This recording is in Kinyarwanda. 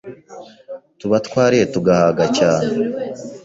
tuba twariye tugahaga cyane